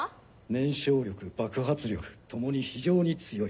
燃焼力爆発力共に非常に強い。